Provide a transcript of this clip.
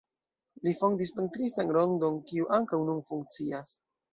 Li fondis pentristan rondon, kiu ankaŭ nun funkcias.